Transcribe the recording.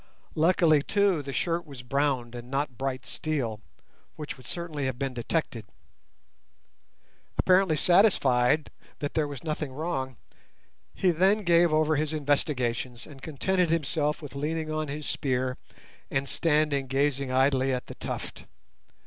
Luckily, too, the shirt was browned and not bright steel, which would certainly have been detected. Apparently satisfied that there was nothing wrong, he then gave over his investigations and contented himself with leaning on his spear and standing gazing idly at the tuft.